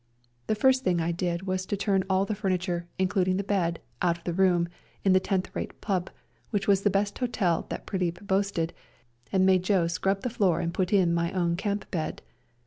The first thing I did was to turn all the furniture, including the bed, out of the room in the tenth rate pub., which was. the best hotel that Prilip boasted, and made Joe scrub the floor and put in my own camp bed.